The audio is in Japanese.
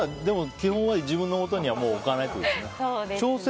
基本は自分のもとにはもう置かないってことですね。